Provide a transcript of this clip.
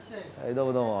どうもどうも。